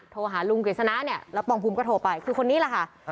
โทรหาลุงกฤษณะเนี่ยแล้วปองภูมิก็โทรไปคือคนนี้แหละค่ะ